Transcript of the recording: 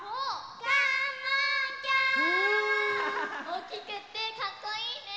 おおきくてかっこいいね！